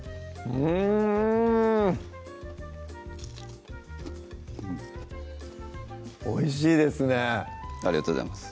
うんおいしいですねありがとうございます